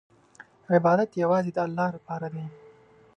عبادت یوازې د الله لپاره دی.